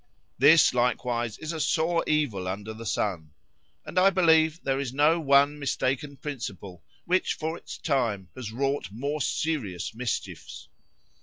"This likewise is a sore evil under the sun; and I believe, there is no one mistaken principle, which, for its time, has wrought more serious mischiefs.